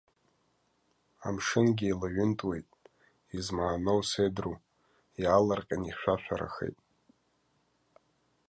Амшынгьы еилаҩынтуеит, измааноу сеидру, иаалырҟьан ихьшәашәарахеит.